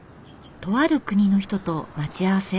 とある国の人と待ち合わせ。